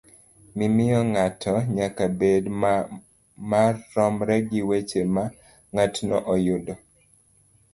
mimiyo ng'ato nyaka bed maromre gi weche ma ng'atno oyudo.